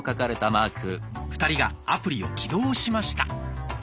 ２人がアプリを起動しました。